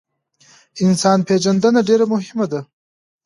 انسان پیژندنه ډیره مهمه ده